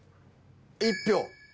１票。